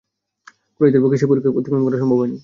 কুরাইশদের পক্ষে সে পরিখা অতিক্রম করা সম্ভব হয়নি।